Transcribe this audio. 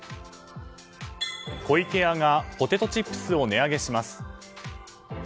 湖池屋がポテトチップスを値上げします。